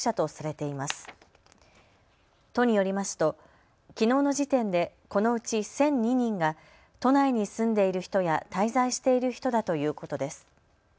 都によりますときのうの時点でこのうち１００２人が都内に住んでいる人や滞在している人だということです。